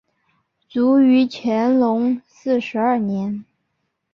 卒于乾隆四十二年。